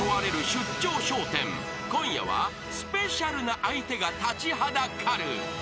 ［今夜はスペシャルな相手が立ちはだかる］